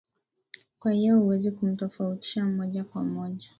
kwa hiyo huwezi kumtofautisha moja kwa moja